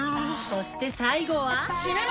そして最後は。